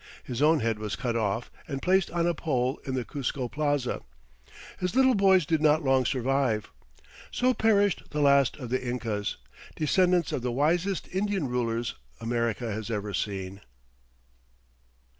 His own head was cut off and placed on a pole in the Cuzco Plaza. His little boys did not long survive. So perished the last of the Incas, descendants of the wisest Indian rulers America has ever seen.